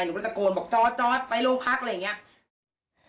หนูก็ตะโกนบอกจอดไปโรงพักอะไรอย่างนี้